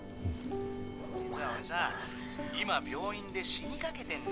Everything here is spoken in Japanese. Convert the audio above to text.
実は俺さ今病院で死にかけてんだよ。